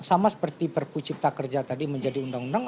sama seperti perpucipta kerja tadi menjadi undang undang